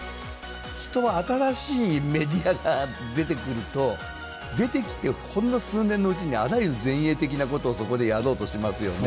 人は新しいメディアが出てくると出てきてほんの数年のうちにあらゆる前衛的なことをそこでやろうとしますよね。